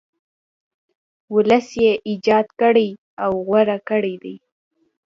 ولس یې ایجاد کړی او غوره کړی دی.